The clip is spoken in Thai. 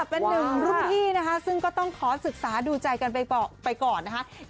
เป็นหนึ่งรุ่นพี่นะคะซึ่งก็ต้องขอศึกษาดูใจกันไปก่อนนะคะ